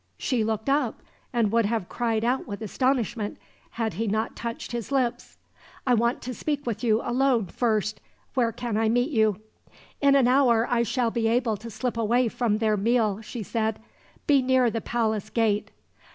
She looked up, and would have cried out with astonishment, had he not touched his lips. "I want to speak to you alone, first. Where can I meet you?" "In an hour I shall be able to slip away from their meal," she said; "be near the palace gate."